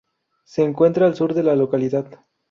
Se encuentra al sur de la localidad.